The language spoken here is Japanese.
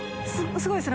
すごいですね